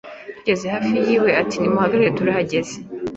Tugeze hafi yiwe ati Nimuhagarare turahageze